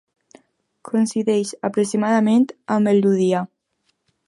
Coincideix aproximadament amb el Ludià.